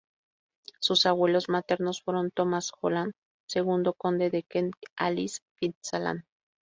Sus abuelos maternos fueron Thomas Holland, segundo conde de Kent y Alice Fitzalan.